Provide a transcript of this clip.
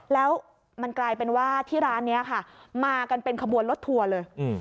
แล้วมันกลายเป็นว่าที่ร้านนี้ค่ะมากันเป็นขบวนรถทัวร์เลย